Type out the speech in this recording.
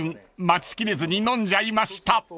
待ちきれずに飲んじゃいました］